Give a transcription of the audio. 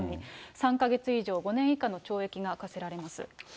３か月以上５年以下の懲役が科せられます。